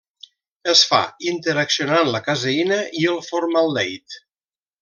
Es fa interaccionant la caseïna i el formaldehid.